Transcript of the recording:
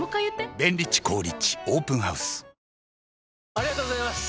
ありがとうございます！